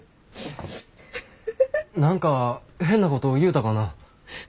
何か変なこと言うたかな？